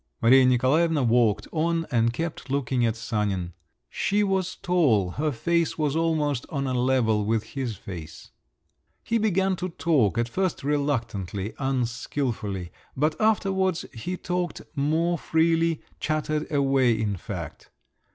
Maria Nikolaevna walked on, and kept looking at Sanin. She was tall—her face was almost on a level with his face. He began to talk—at first reluctantly, unskilfully—but afterwards he talked more freely, chattered away in fact.